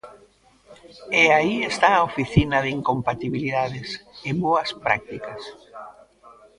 E aí está a Oficina de Incompatibilidades e Boas Prácticas.